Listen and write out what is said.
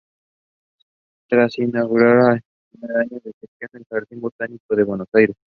Thays inauguró en su primer año de gestión el Jardín Botánico de Buenos Aires.